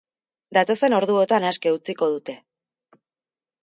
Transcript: Datozen orduotan aske utziko dute.